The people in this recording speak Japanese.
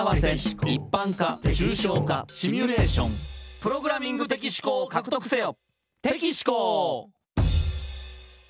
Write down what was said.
「プログラミング的思考を獲得せよ」